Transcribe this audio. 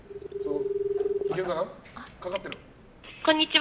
こんにちは。